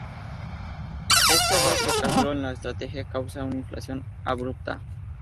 Este error de cálculo en la estrategia causó una inflación abrupta.